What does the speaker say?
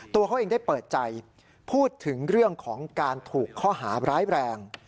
ตัวเขาเองได้เปิดใจพูดถึงเรื่องของการถูกข้อหาร้ายแรง